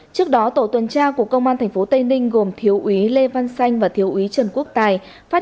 trước đó tổ tuần tra của công an tp tây ninh gồm thiếu úy lê văn xanh và thiếu úy trần quốc tài phát